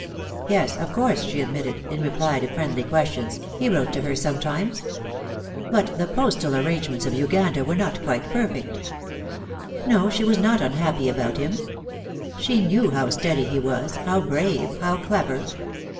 Yes, of course, she admitted, in reply to friendly questions, he wrote to her sometimes; but the postal arrangements of Uganda were not quite perfect. No, she was not unhappy about him. She knew how steady he was, how brave, how clever.